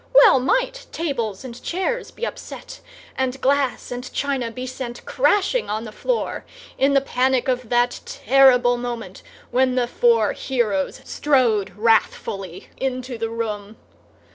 Well might tables and chairs be upset, and glass and china be sent crashing on the floor, in the panic of that terrible moment when the four Heroes strode wrathfully into the room!